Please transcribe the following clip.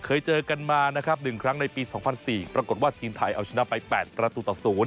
เคยเจอกันมานะครับ๑ครั้งในปี๒๐๐๔ปรากฏว่าทีมไทยเอาชนะไป๘ประตูต่อ๐